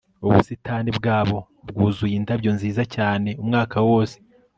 ubusitani bwabo bwuzuye indabyo nziza cyane umwaka wose